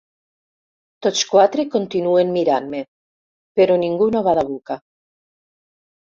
Tots quatre continuen mirant-me, però ningú no bada boca.